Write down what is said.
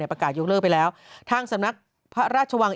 ประกาศยกเลิกไปแล้วทางสำนักพระราชวัง